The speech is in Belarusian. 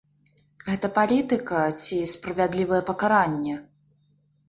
Гэта палітыка ці справядлівае пакаранне?